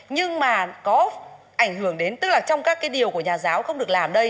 nhưng mà có ảnh hưởng đến tức là trong các cái điều của nhà giáo không được làm đây